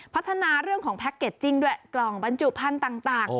พัฒนาเรื่องของแพ็คเกจจิ้งด้วยกล่องบรรจุพันธุ์ต่าง